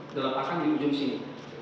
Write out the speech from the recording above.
diletakkan di ujung sini